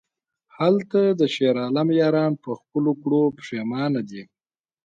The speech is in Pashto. هلته د شیرعالم یاران په خپلو کړو پښیمانه دي...